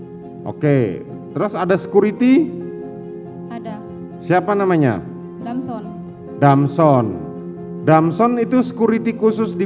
hai oke terus ada security ada siapa namanya damson damson damson itu security khusus di